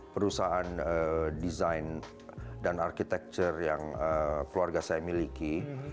perusahaan desain dan arsitektur yang keluarga saya miliki